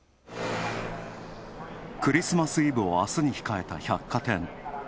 クリスマスイブをあすに控えた百貨店。